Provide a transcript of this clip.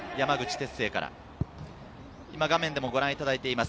山口輝星から画面でもご覧いただいています。